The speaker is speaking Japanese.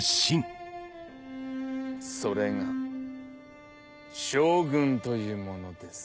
それが将軍というものです。